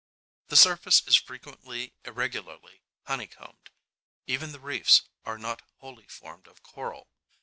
The surface is frequently irregularly honeycombed. Even the reefs are not wholly formed of coral.